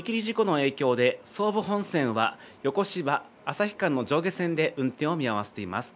踏切事故の影響で総武本線は横芝・旭間の上下線で運転を見合わせています。